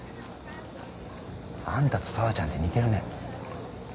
あんたと紗和ちゃんって似てるね。